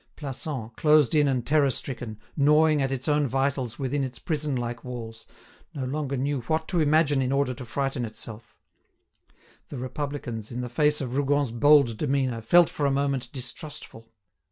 Plassans, closed in and terror stricken, gnawing at its own vitals within its prison like walls, no longer knew what to imagine in order to frighten itself. The Republicans, in the face of Rougon's bold demeanour, felt for a moment distrustful.